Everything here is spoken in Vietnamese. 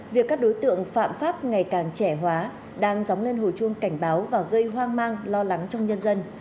việc các đối tượng phạm pháp ngày càng trẻ hóa đang dóng lên hồi chuông cảnh báo và gây hoang mang lo lắng trong nhân dân